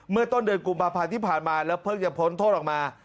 เมื่อต้นเดินกลุ่มประพานที่ผ่านมาแล้วเพิ่งจะพ้นโทษออกมา